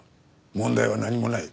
問題は何もない。